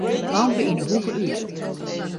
Lampe yn 'e hoeke út.